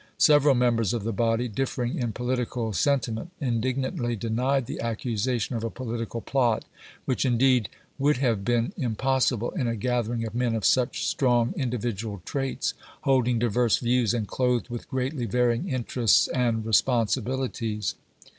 Several members of the body, differing in political sen timent, indignantly denied the accusation of a political plot, which, indeed, would have been im possible in a gathering of men of such strong indi vidual traits, holding diverse views, and clothed with greatly varying interests and responsibihties.